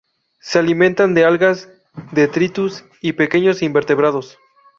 Se alimentan de algas, detritus y pequeños invertebrados.